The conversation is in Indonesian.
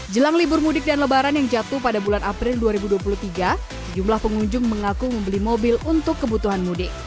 jelang libur mudik dan lebaran yang jatuh pada bulan april dua ribu dua puluh tiga sejumlah pengunjung mengaku membeli mobil untuk kebutuhan mudik